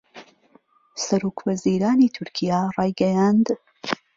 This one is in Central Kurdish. سەرۆکوەزیرانی تورکیا رایگەیاند